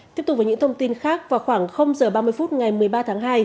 tiếp tục với những thông tin khác vào khoảng h ba mươi phút ngày một mươi ba tháng hai